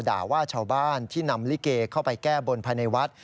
ด่าว่าชาวบ้านที่นำลิเกเข้าไปแก้บนภายในวัด